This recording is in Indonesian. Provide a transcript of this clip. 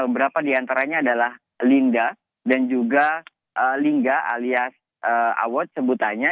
beberapa diantaranya adalah linda dan juga lingga alias awot sebutannya